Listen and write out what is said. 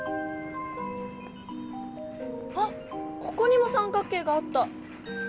あここにも三角形があった！